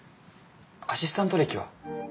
アシスタント歴は？